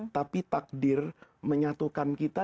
tapi takdir menyatukan kita